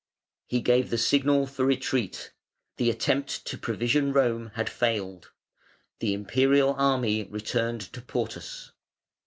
He gave the signal for retreat; the attempt to provision Rome had failed; the Imperial army returned to Portus.